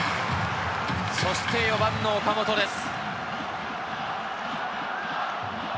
そして４番の岡本です。